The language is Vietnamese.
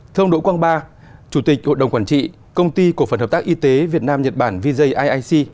thương đỗ quang ba chủ tịch hội đồng quản trị công ty cổ phần hợp tác y tế việt nam nhật bản vjiic